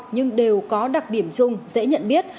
nhưng đều có đặc điểm chung dễ nhận biết